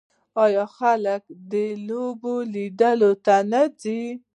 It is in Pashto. آیا خلک د لوبو لیدلو ته نه ځي؟